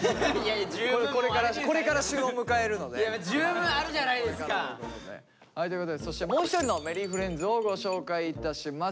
十分あるじゃないですか！ということでそしてもう一人のＭｅｒｒｙｆｒｉｅｎｄｓをご紹介いたします。